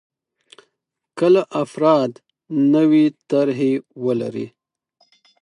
کله افراد نوې طرحې ولري.